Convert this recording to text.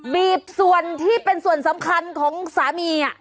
บีบส่วนที่เป็นส่วนสำคัญของสามี